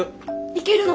いけるの？